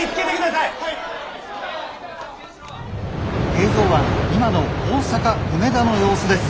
「映像は今の大阪・梅田の様子です。